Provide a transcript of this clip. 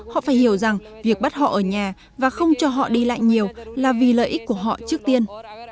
họ phải hiểu rằng việc bắt họ ở nhà và không cho họ đi lại nhiều là vì lợi ích của họ trước tiên